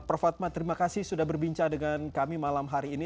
prof fatma terima kasih sudah berbincang dengan kami malam hari ini